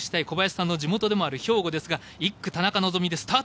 小林さんの地元でもある兵庫ですが１区、田中希実です。